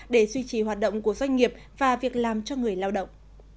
để duy trì hoạt động của doanh nghiệp và việc làm cho người lao động